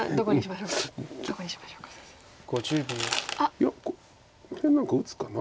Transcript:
いやこの辺何か打つかな？